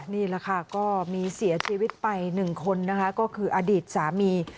นี่แหละค่ะก็มีเสียชีวิตไป๑คนนะคะก็คืออดีตสามี